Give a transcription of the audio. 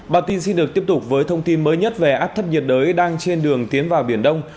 bản tin xin được tiếp tục với thông tin mới nhất về áp thấp nhiệt đới đang trên đường tiến vào biển đông